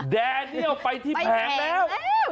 แดเนียลไปที่แผงแล้ว